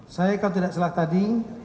saya kalau tidak salah tadi